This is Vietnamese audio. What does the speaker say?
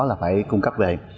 là phải cung cấp về